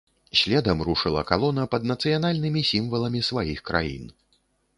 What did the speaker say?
Следам рушыла калона пад нацыянальнымі сімваламі сваіх краін.